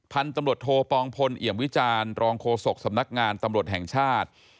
พันธุ์ตำรวจโทปองพลเอี่ยมวิจารณ์รองโฆษกสำนักงานตำรวจแห่งชาติ